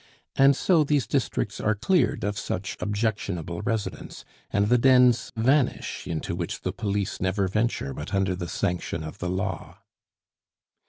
And so these districts are cleared of such objectionable residents, and the dens vanish into which the police never venture but under the sanction of the law.